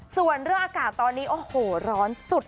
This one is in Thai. ส่วนระอากาศตอนนี้โอ้โฮร้อนสุด